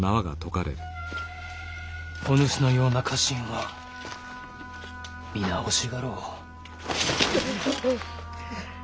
お主のような家臣は皆欲しがろう。